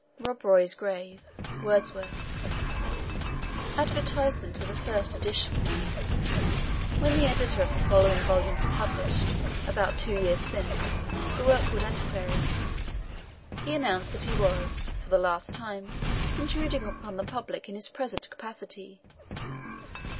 Rob Roy's Grave Wordsworth ADVERTISEMENT TO THE FIRST EDITION When the Editor of the following volumes published, about two years since, the work called the "Antiquary," he announced that he was, for the last time, intruding upon the public in his present capacity.